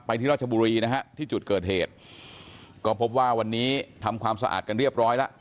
ที่ราชบุรีนะฮะที่จุดเกิดเหตุก็พบว่าวันนี้ทำความสะอาดกันเรียบร้อยแล้ว